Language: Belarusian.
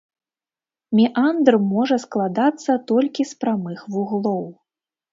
Меандр можа складацца толькі з прамых вуглоў.